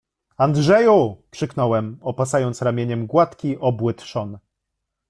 — Andrzeju! — krzyknąłem, opasując ramieniem gładki, obły trzon.